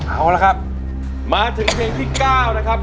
เอาละครับมาถึงเพลงที่๙นะครับ